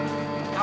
nanti juga sama